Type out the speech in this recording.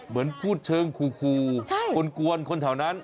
เหมือนพูดเชิงคูกวนคนแถวนั้น